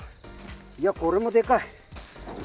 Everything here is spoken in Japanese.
いや、これもでかい。